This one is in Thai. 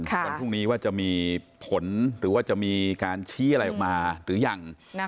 วันพรุ่งนี้ว่าจะมีผลหรือว่าจะมีการชี้อะไรออกมาหรือยัง